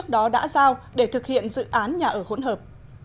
đó đã giao để thực hiện dự án nhà ở hỗn hợp